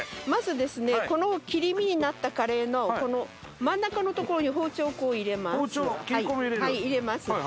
まず、切り身になったカレイの真ん中のところに包丁を入れます。